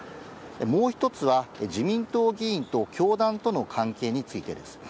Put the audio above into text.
もう一つは、自民党議員と教団との関係についてです。